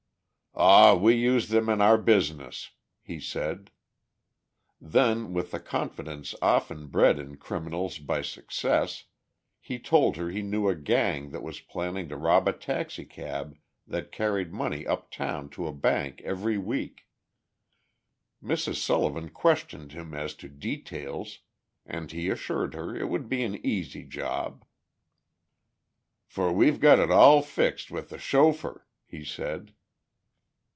"Aw, we use them in our business," he said. Then, with the confidence often bred in criminals by success, he told her he knew a gang that was planning to rob a taxicab that carried money uptown to a bank every week. Mrs. Sullivan questioned him as to details, and he assured her it would be an easy job. "For we've got it all fixed with the chauffeur," he said.